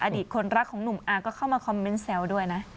อดีตคนรักของหนุ่มอาก็เข้ามาคอมเมนต์แซวด้วยนะ